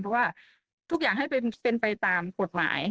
เพราะว่าทุกอย่างให้เป็นไปตามกฎหมาย